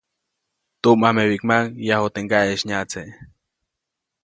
Tumʼamebiʼkmaʼuŋ yaju teʼ ŋgaʼeʼis nyaʼtse.